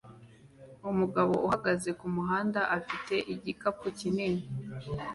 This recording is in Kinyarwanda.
Umugabo uhagaze kumuhanda afite igikapu kinini